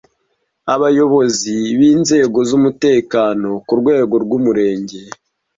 Abayobozi b inzego z umutekano ku rwego rw Umurenge